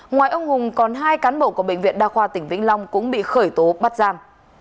ngoài ông hùng còn hai cán bộ của bệnh viện đa khoa tỉnh vĩnh long cũng bị khởi tố bắt giam